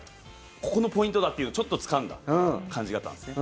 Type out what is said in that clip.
このポイントだっていうのをちょっとつかんだ感じがあったんですね。